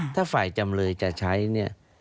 ถ้าฝ่ายจำเลยจะใช้เนี่ย